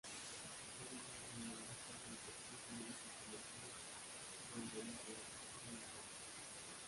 La feria más relevante desde el punto de vista comercial se organiza en Nuremberg.